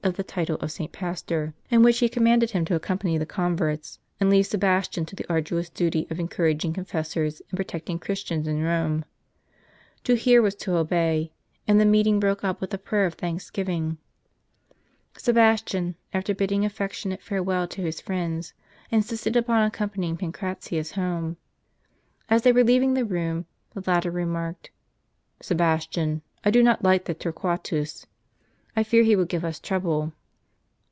e title of St. Pastor," in which he commanded him to accompany the converts, and leave Sebastian to the arduous duty of encouraging confessors, and protecting Christians in Rome. To hear was to obey ; and the meeting broke up with a prayer of thanksgiving. Sebastian, after bidding affectionate farewell to his friends, insisted upon accompanying Pancratius home. As they were leaving the room, the latter remarked, " Sebastian, I do not like that Torquatus. I fear he will give us trouble."